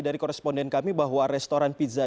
dari koresponden kami bahwa restoran pizza